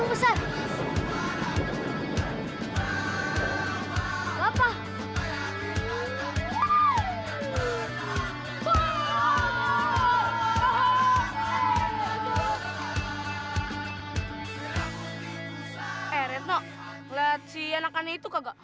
lihat si anakannya itu kagak